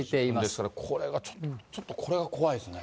ですからこれがちょっと、これが怖いですね。